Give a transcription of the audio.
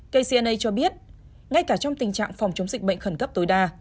kcna cho biết ngay cả trong tình trạng phòng chống dịch bệnh khẩn cấp tối đa